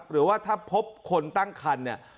หรือว่าถ้าพบคนตั้งคันเนี่ย